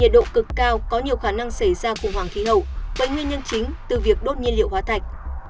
nhiệt độ cực cao có nhiều khả năng xảy ra khủng hoảng khí hậu vậy nguyên nhân chính từ việc đốt nhiên liệu hóa thạch